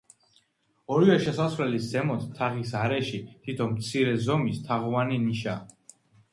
ორივე შესასვლელის ზემოთ, თაღის არეში, თითო მცირე ზომის, თაღოვანი ნიშაა.